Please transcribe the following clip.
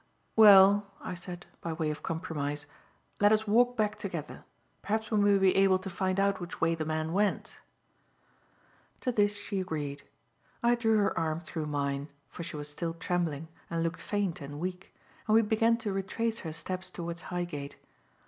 "Well," I said, by way of compromise, "let us walk back together. Perhaps we may be able to find out which way the man went." To this she agreed. I drew her arm through mine for she was still trembling and looked faint and weak and we began to retrace her steps towards Highgate.